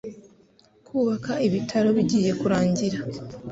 Kubaka ibitaro bigiye kurangira.